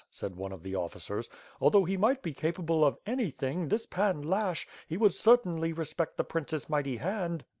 said one of the officers, "although he might be capable of anything this Pan Lashch, he would cer tainly respect the prince's mighty hand."